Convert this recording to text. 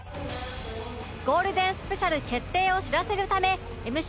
ゴールデンスペシャル決定を知らせるため ＭＣ